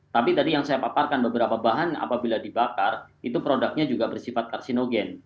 tapi tadi yang saya paparkan beberapa bahan apabila dibakar itu produknya juga bersifat karsinogen